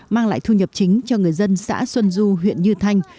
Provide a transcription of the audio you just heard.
mang lại thu nhập chính cho người dân xã xuân du huyện như thanh